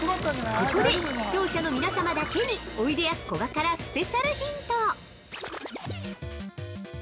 ◆ここで視聴者の皆様だけに、おいでやすこがからスペシャルヒント！